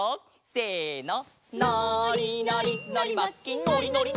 せの！